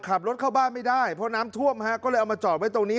ขับรถเข้าบ้านไม่ได้เพราะน้ำท่วมฮะก็เลยเอามาจอดไว้ตรงนี้